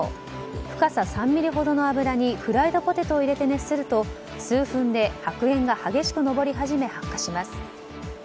深さ３ｍｍほどの油にフライドポテトを入れて熱すると、数分で白煙が激しく上り始め、発火します。